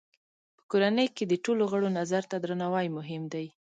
په کورنۍ کې د ټولو غړو نظر ته درناوی مهم دی.